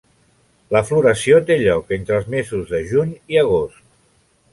La floració té lloc entre els mesos de juny i agost.